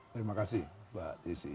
terima kasih mbak dizi